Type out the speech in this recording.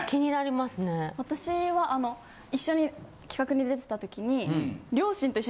私は一緒に企画に出てたときに。